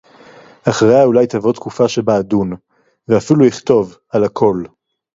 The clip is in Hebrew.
אחריה אולי תבוא תקופה שבה אדון, ואפילו אכתוב, על הכול.